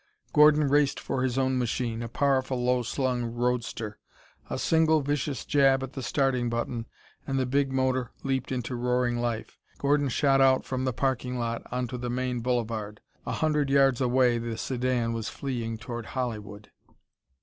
Gordon raced for his own machine, a powerful low slung roadster. A single vicious jab at the starting button, and the big motor leaped into roaring life. Gordon shot out from the parking lot onto the main boulevard. A hundred yards away the sedan was fleeing toward Hollywood.